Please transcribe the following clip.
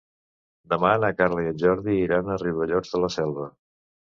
Demà na Carla i en Jordi iran a Riudellots de la Selva.